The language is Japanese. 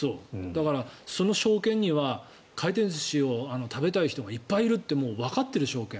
だからその商圏には回転寿司を食べたい人がいっぱいいるってもうわかっている商圏